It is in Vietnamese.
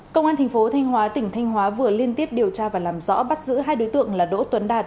công an thành phố thanh hóa tỉnh thanh hóa vừa liên tiếp điều tra và làm rõ bắt giữ hai đối tượng là đỗ tuấn đạt